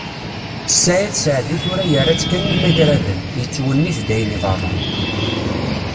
Ssaɛid Seɛdi tura yerra-tt kan i imagraden, yettwennit-d ayen iḍerrun.